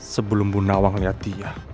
sebelum bunawang lihat dia